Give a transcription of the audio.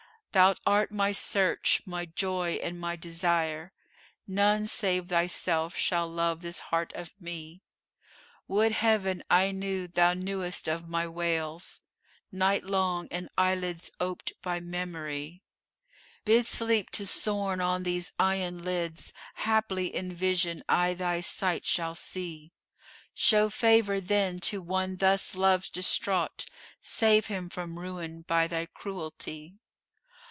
Thou art my search, my joy and my desire! * None save thyself shall love this heart of me: Would Heaven I knew thou knewest of my wails * Night long and eyelids oped by memory. Bid sleep to sojourn on these eyen lids * Haply in vision I thy sight shall see. Show favour then to one thus love distraught: * Save him from ruin by thy cruelty!